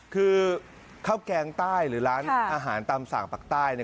คือข้าวแกงใต้หรือร้านอาหารตามสั่งปากใต้